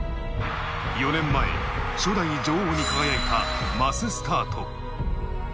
４年前、初代女王に輝いたマススタート。